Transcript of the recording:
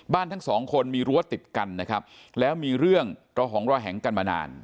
ทั้งสองคนมีรั้วติดกันนะครับแล้วมีเรื่องระหองระแหงกันมานาน